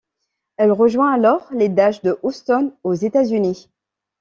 Elle rejoint alors les Dash de Houston, aux États-Unis.